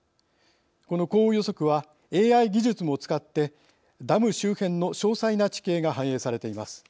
この降雨予測はＡＩ技術も使ってダム周辺の詳細な地形が反映されています。